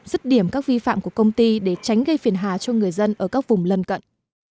dứt điểm các vi phạm của công ty để tránh gây phiền hà cho người dân ở các vùng lân cận